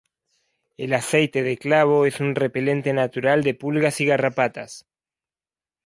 El aceite de clavo es un repelente natural de pulgas y garrapatas.